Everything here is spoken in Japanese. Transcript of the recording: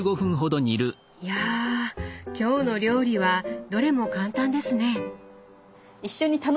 いや今日の料理はどれも簡単ですね。